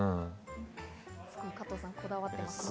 加藤さん、こだわってますね。